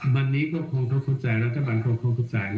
วันนี้ก็คงต้องเข้าใจรัฐบาลคงเข้าใจนะ